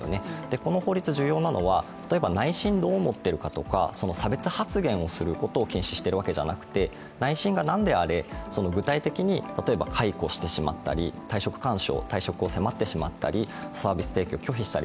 この法律、重要なのは例えば内心どう思っているかとか差別発言をすることを禁止しているのではなくて、内心がなんであれ、具体的に解雇してしまったり退職勧奨をしたり、サービス提供を拒否したり、